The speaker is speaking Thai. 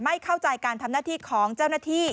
ไม่เข้าใจการทำหน้าที่ของเจ้าหน้าที่